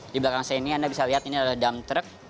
di belakang saya ini anda bisa lihat ini adalah dam truck